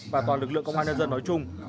và toàn lực lượng công an nhân dân nói chung